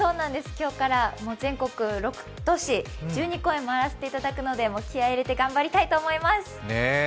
今日から全国６都市１２公演回らせていただくので気合い入れて頑張りたいと思います。